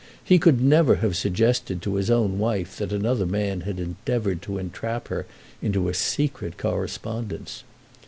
He could never have suggested to his own wife that another man had endeavoured to entrap her into a secret correspondence.